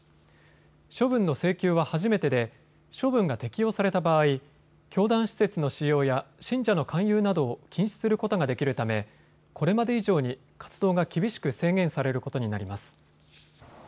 処分の請求は初めてで処分が適用された場合、教団施設の使用や信者の勧誘などを禁止することができるためこれまで以上に活動が厳しく制限されることになります。